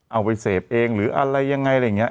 เอาไปเสพเองหรืออะไรยังไงอะไรอย่างนี้